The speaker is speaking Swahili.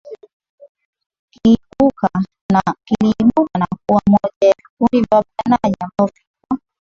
kiliibuka na kuwa moja ya vikundi vya wapiganaji ambavyo vilikuwa